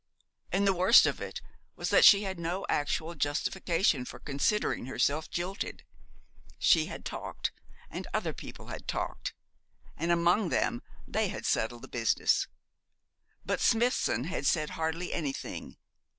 And the worst of it was that she had no actual justification for considering herself jilted. She had talked, and other people had talked, and among them they had settled the business. But Smithson had said hardly anything.